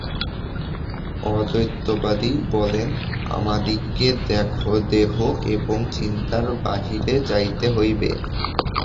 অদ্বৈতবাদী বলেন, আমাদিগকে দেহ এবং চিন্তার বাহিরে যাইতে হইবে।